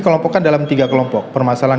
kelompokkan dalam tiga kelompok permasalahan